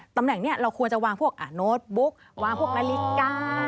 ตำแหน่งนี้เราควรจะวางพวกโน้ตบุ๊กวางพวกนาฬิกา